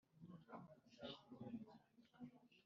Kumucik ra afite noneho ni iki cyatumye